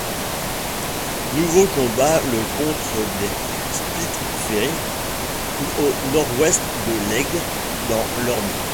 Nouveau combat le contre des Spitfires au Nord Ouest de l'Aigle, dans l'Orne.